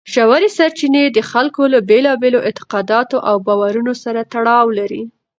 ژورې سرچینې د خلکو له بېلابېلو اعتقاداتو او باورونو سره تړاو لري.